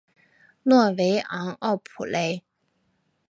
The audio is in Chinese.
诺维昂奥普雷。